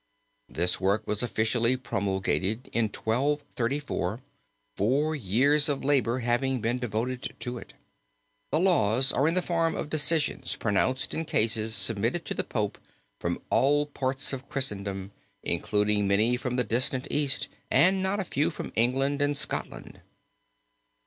This work was officially promulgated in 1234, four years of labor having been devoted to it. The laws are in the form of decisions pronounced in cases submitted to the Pope from all parts of Christendom, including many from the distant East and not a few from England and Scotland.